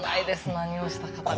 何をした方か。